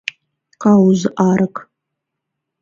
Кауз — арык.